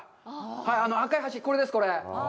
あの赤い橋、これです、これ！